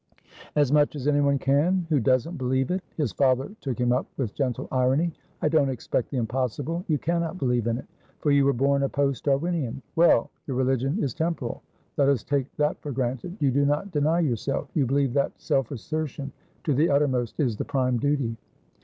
"As much as anyone canwho doesn't believe it." His father took him up with gentle irony. "I don't expect the impossible. You cannot believe in it; for you were born a post Darwinian. Well, your religion is temporal; let us take that for granted. You do not deny yourself; you believe that self assertion to the uttermost is the prime duty."